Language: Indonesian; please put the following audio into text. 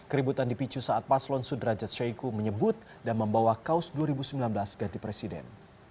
keributan dipicu saat paslon sudrajat syahiku menyebut dan membawa kaos dua ribu sembilan belas ganti presiden